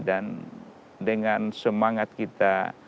dan dengan semangat kita mendorongnya